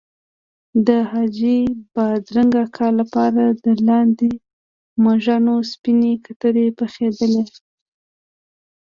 د حاجي بادرنګ اکا لپاره د لاندې مږانو سپینې کترې پخېدلې.